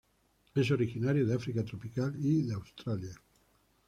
Es originario de África tropical, y de Australia.